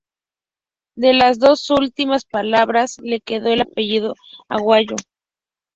De las dos últimas palabras le quedó el apellido Aguayo.